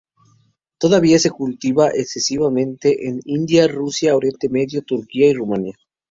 Todavía se cultiva extensivamente en India, Rusia, Oriente Medio, Turquía y Rumanía.